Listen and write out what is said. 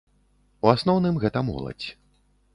У асноўным гэта моладзь.